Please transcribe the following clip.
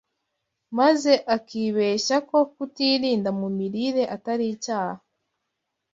maze akibeshya ko kutirinda mu mirire atari icyaha